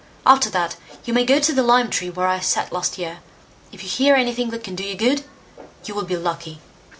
After that, you may go to the lime tree where I sat last year; if you hear anything that can do you good, you will be lucky."